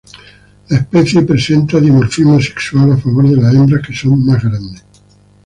La especie presenta dimorfismo sexual a favor de las hembras, que son más grandes.